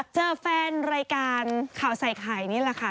เจอแฟนรายการข่าวใส่ไข่นี่แหละค่ะ